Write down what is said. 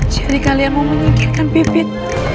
jadi kalian mau menyingkirkan pipit